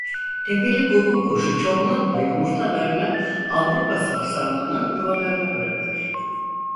Tepeli guguk kuşu çoğunlukla yumurtalarını Avrupa saksağanının yuvalarına bırakır.